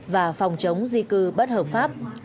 và phòng chống di cư bất hợp pháp